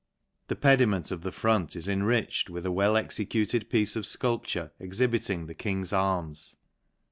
The pediment of the front inriched with a well executed piece of fculpture, shibiting the king's arms.